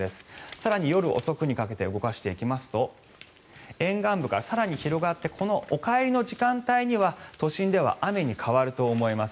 更に夜遅くにかけて動かしていきますと沿岸部から更に広がってお帰りの時間帯には都心では雨に変わると思います。